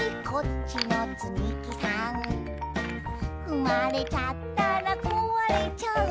「ふまれちゃったらこわれちゃう」